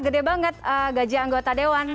gede banget gaji anggota dewan